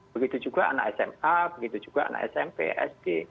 begitu juga anak sma begitu juga anak smp sd